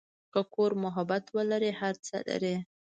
که کور محبت ولري، هر څه لري.